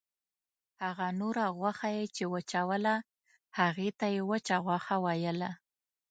هغه نوره غوښه یې چې وچوله هغې ته یې وچه غوښه ویله.